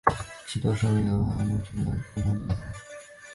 其多数曲目多由阿久悠携手共同打造。